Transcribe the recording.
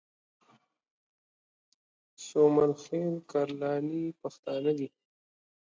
سومل خېل کرلاني پښتانه دي